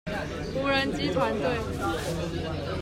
無人機團隊